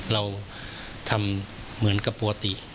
เราทำเหมือนกับปกติ